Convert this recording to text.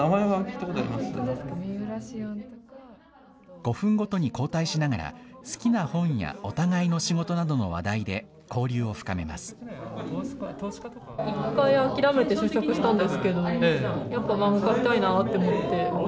５分ごとに交代しながら、好きな本やお互いの仕事などの話題で交流を深めます。